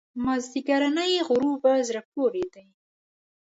مازیګرنی غروب په زړه پورې دی.